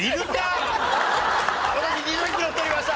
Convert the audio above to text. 「私２０キロ太りました。